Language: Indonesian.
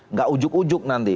nggak ujuk ujuk nanti